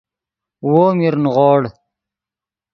وو میر نیغوڑ